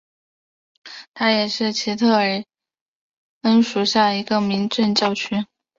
它也是奇尔特恩区属下的一个民政教区。